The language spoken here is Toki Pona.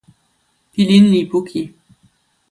pilin li poki.